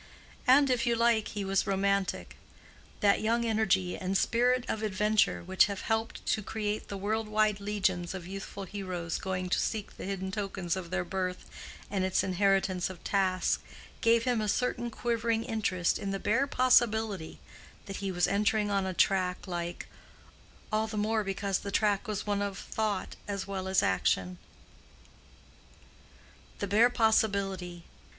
And, if you like, he was romantic. That young energy and spirit of adventure which have helped to create the world wide legions of youthful heroes going to seek the hidden tokens of their birth and its inheritance of tasks, gave him a certain quivering interest in the bare possibility that he was entering on a like track —all the more because the track was one of thought as well as action. "The bare possibility."